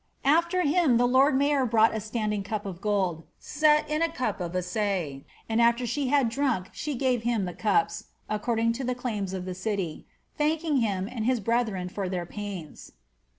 AAer him the lord mayor brought a standing cup of gold, set ia a cup of assay, and aAer she had drunk she gare him the cups, according to the claims of the city, thanking him and his brethren for ibeir pains.